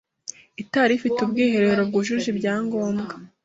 itari ifite ubwiherero bwujuje ibyangombwa